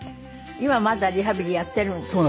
今まだリハビリやってるんですか？